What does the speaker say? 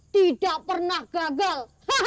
tidak pernah gagal